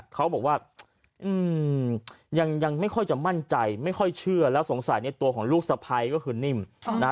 เขาบอกว่ายังไม่ค่อยจะมั่นใจไม่ค่อยเชื่อแล้วสงสัยในตัวของลูกสะพ้ายก็คือนิ่ม